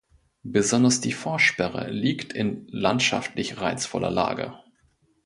Besonders die Vorsperre liegt in landschaftlich reizvoller Lage.